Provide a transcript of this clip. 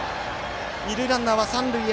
二塁ランナーは三塁へ。